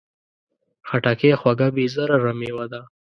خټکی خوږه، بې ضرره مېوه ده.